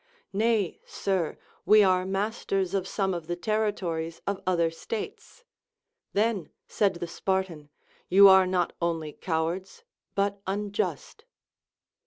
Nay, sir, we are masters of some of the territories of other states ; Then, said the Spartan, you are not only cowards but unjust.